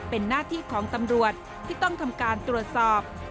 เป็นหน้าที่ของตำรวจที่ต้องทำการตรวจสอบ